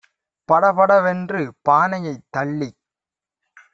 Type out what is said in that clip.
படபட வென்று பானையைத் தள்ளிக்